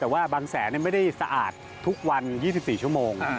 แต่ว่าบางแสนไม่ได้สะอาดทุกวัน๒๔ชั่วโมง